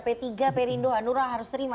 ptg perindo hanura harus terima